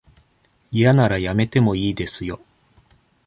嫌ならやめてもいいですよ。